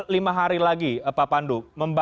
lima hari lagi pak pandu